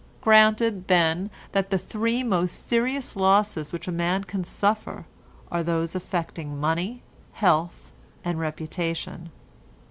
Granted, then, that the three most serious losses which a man can suffer are those affecting money, health and reputation.